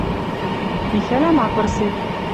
Михӓлӓм ак вырсеп.